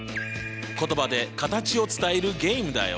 言葉で形を伝えるゲームだよ。